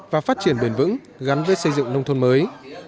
và phát triển bền vững gắn với xây dựng nông thôn mới